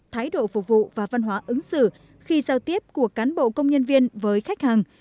thái độ phục vụ và văn hóa ứng xử khi giao tiếp của cán bộ công nhân viên với khách hàng